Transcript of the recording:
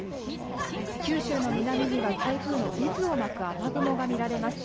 九州の南には台風の渦を巻く雨雲が見られます。